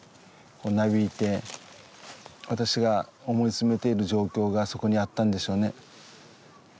なびいて私が思い詰めている状況がそこにあったんでしょうね。